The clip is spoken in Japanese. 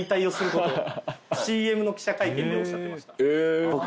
ＣＭの記者会見でおっしゃってました。